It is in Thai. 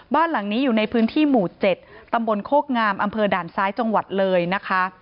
บ้านหลังนี้อยู่ในพื้นที่หมู่๗ตำบลโคกงามอำเภอด่านซ้ายจังหวัดเลยนะคะ